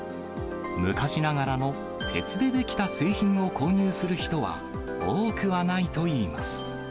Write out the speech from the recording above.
昔ながらの鉄で出来た製品を購入する人は多くはないといいます。